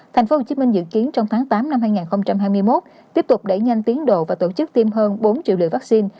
thành phố hồ chí minh dự kiến trong tháng tám năm hai nghìn hai mươi một tiếp tục đẩy nhanh tiến độ và tổ chức tiêm hơn bốn triệu liều vaccine